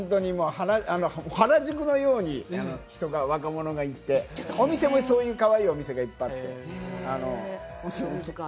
原宿のように人が、若者がいて、お店もそういう、かわいいお店がいっぱいあってね。